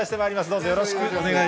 どうぞよろしくお願いい